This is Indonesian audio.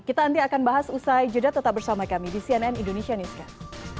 kita nanti akan bahas usai jeda tetap bersama kami di cnn indonesia newscast